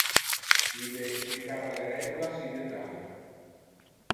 Ille explicava le regulas in detalio.